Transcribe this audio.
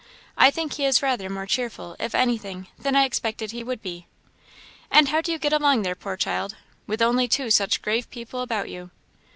I think he is rather more cheerful, if anything, than I expected he would be." "And how do you get along there, poor child! with only two such grave people about you?"